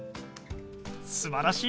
すばらしい。